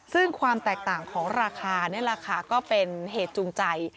ซึ่งความแตกต่างของราคาก็เป็นเหตุจูงใจ